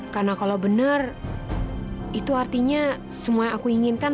karena kalau bener itu artinya semua yang aku inginkan